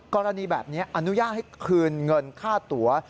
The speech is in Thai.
กรณีแบบนี้อนุญาตให้คืนเงินค่าตัว